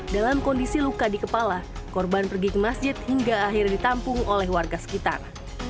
dalam kondisi luka di kepala korban pergi ke masjid hingga akhirnya ditampung oleh warga sekitar